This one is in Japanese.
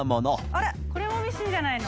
あれこれもミシンじゃないの。